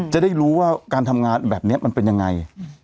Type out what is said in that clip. จะได้รู้ว่าการทำงานแบบนี้มันเป็นยังไง